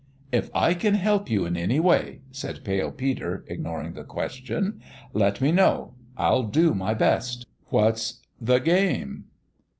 " If I can help you in any way," said Pale Peter, ignoring the question, " let me know. I'll do my best." "What's the game?"